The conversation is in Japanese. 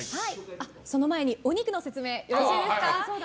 その前にお肉の説明よろしいですか。